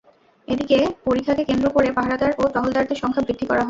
এদিকে পরিখাকে কেন্দ্র করে পাহারাদার ও টহলদারদের সংখ্যা বৃদ্ধি করা হয়।